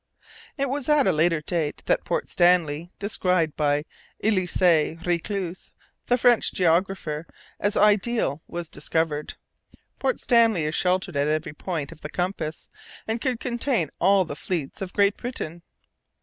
It was at a later date that Port Stanley described by Elisée Réclus, the French geographer, as "ideal" was discovered. Port Stanley is sheltered at every point of the compass, and could contain all the fleets of Great Britain.